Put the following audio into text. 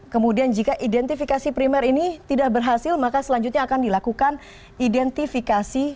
kemudian jika identifikasi primer ini tidak berhasil maka selanjutnya akan dilakukan identifikasi